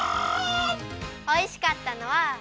おいしかったのは。